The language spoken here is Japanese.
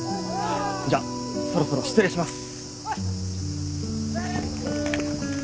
じゃそろそろ失礼します。